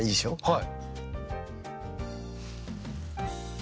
はい。